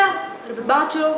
terbit banget cu